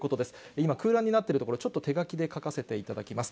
今、空欄になっている所、ちょっと手書きで書かせていただきます。